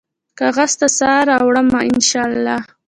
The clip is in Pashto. کاغذ ته سا راوړمه ، ان شا الله